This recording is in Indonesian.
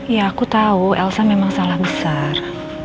ya aku tahu elsa memang salah besar